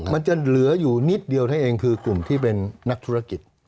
มันจะเหลืออยู่นิดเดียวเท่านั้นเองคือกลุ่มที่เป็นนักธุรกิจ